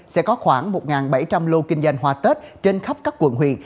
sẽ có khoảng một bảy trăm linh lô kinh doanh hoa tết trên khắp các quận huyện